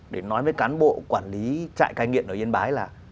để nói với cán bộ quản lý trại cai nghiện ở yên bái là